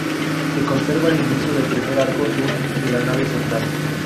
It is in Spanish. Se conserva el inicio del primer arco sur de la nave central.